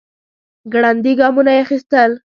ګړندي ګامونه يې اخيستل.